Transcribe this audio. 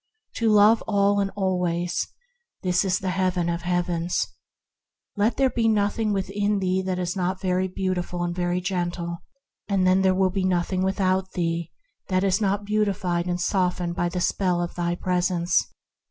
To love all and always: this is the Heaven of Heavens. "Let there be nothing within thee that is not very beautiful and very gentle, and then HEAVEN IN THE HEART 159 will there be nothing without thee that is not beautiful and softened by the spell of thy presence.